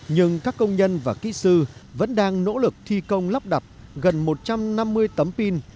nhưng các công nhân và kỹ sư vẫn đang nỗ lực thi công lắp đặt gần một trăm năm mươi tấm pin